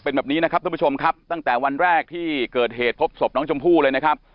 เป็นแบบนี้นะครับท่านผู้ชมครับตั้งแต่วันแรกที่เกิดเหตุพบศพน้องชมพู่เลยนะครับ